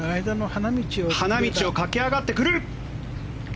花道を駆け上がってくる。